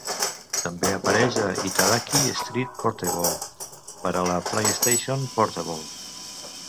També apareix a "Itadaki Street Portable" per a la PlayStation Portable.